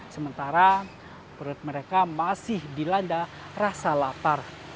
sementara perut mereka masih dilanda rasa lapar